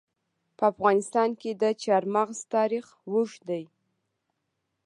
په افغانستان کې د چار مغز تاریخ اوږد دی.